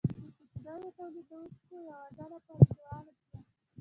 د کوچنیو تولیدونکو یوه ډله پانګواله شوه.